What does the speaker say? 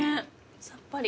さっぱり。